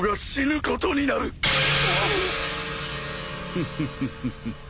フフフフ。